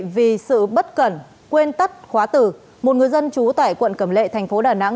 vì sự bất cẩn quên tắt khóa từ một người dân trú tại quận cầm lệ thành phố đà nẵng